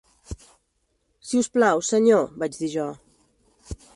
"Si us plau, senyor", vaig dir jo.